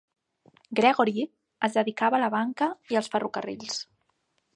Gregory es dedicava a la banca i als ferrocarrils.